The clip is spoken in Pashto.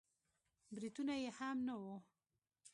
برېتونه يې هم نه وو.